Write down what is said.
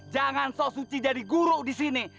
jangan sok suci jadi guru di sini